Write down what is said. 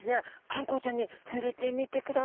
あんこうちゃんにふれてみてください。